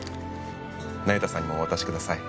那由他さんにもお渡しください